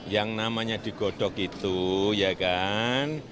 yang namanya digodok itu ya kan